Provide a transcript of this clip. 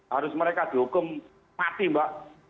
harus mereka dihukum mati mbak